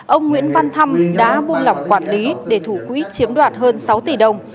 ông nguyễn văn thăm đã buôn lọc quản lý để thủ quỹ chiếm đoạt hơn sáu tỷ đồng